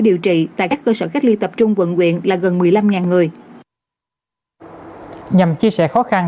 điều trị tại các cơ sở cách ly tập trung quận quyện là gần một mươi năm người nhằm chia sẻ khó khăn